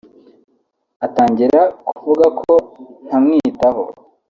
Atangira kuvuga ko ntamwitaho